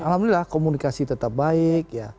alhamdulillah komunikasi tetap baik